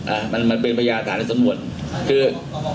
อ่ามันมันเป็นประหยาฐานสำนวนคือ